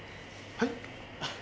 はい？